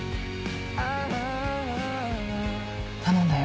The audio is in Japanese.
頼んだよ